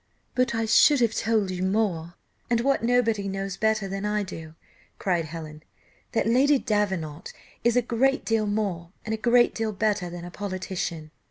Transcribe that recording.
"But I should have told you more, and what nobody knows better than I do," cried Helen, "that Lady Davenant is a great deal more, and a great deal better than a politician.